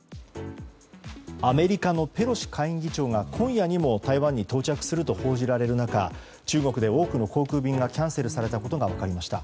アメリカのペロシ下院議長が今夜にも台湾に到着すると報じられる中中国で多くの航空便がキャンセルされたことが分かりました。